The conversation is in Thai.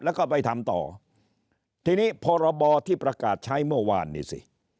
แล้วก็ไปทำต่อทีนี้พรบที่ประกาศใช้เมื่อวานนี้สิ